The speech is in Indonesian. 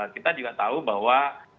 kita juga tahu bahwa